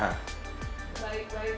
baik baik baik